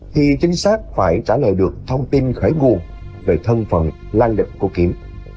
thì chính xác phải trả lời được thông tin khởi nguồn về thân phận lan địch của kiểm